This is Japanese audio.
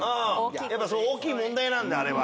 やっぱ大きい問題なんだあれは。